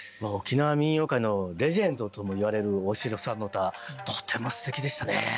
沖縄民謡界のレジェンドともいわれる大城さんの唄とてもすてきでしたね。